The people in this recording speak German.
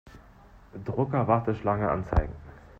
Drucker-Warteschlange anzeigen.